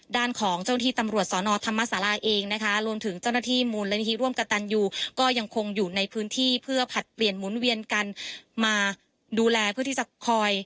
ด้านของเจ้าที่ตำรวจสอนอธรรมศาลาเองนะคะรวมถึงเจ้าหน้าที่มูลนิธิร่วมกับตันยูก็ยังคงอยู่ในพื้นที่เพื่อผลัดเปลี่ยนหมุนเวียนกันมาดูแลเพื่อที่จะคอย